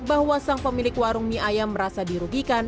bahwa sang pemilik warung mie ayam merasa dirugikan